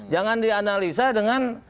jangan dianalisa dengan